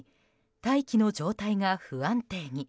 大気の状態が不安定に。